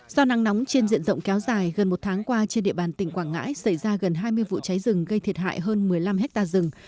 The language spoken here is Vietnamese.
do nắng nóng trên diện rộng kéo dài gần một tháng qua trên địa bàn tỉnh quảng ngãi xảy ra gần hai mươi vụ cháy rừng gây thiệt hại hơn một mươi năm hectare rừng